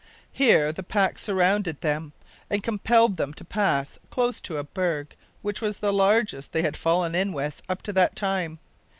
Here the pack surrounded them, and compelled them to pass close to a berg which was the largest they had fallen in with up to that time.